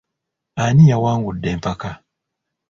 Ani yawangudde empaka?